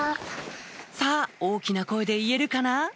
さぁ大きな声で言えるかな？